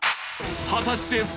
果たして誰？